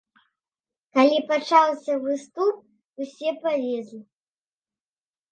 Калі пачаўся выступ, усе палезлі.